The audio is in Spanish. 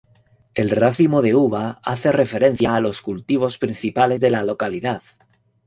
El racimo de uva hace referencia a los cultivos principales de la localidad.